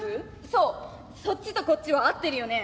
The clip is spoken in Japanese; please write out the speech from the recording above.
そっちとこっちは合ってるよね？